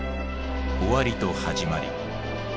終わりと始まり。